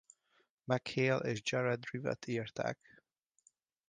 MacHale és Jared Rivet írták.